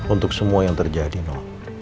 untuk semua yang terjadi no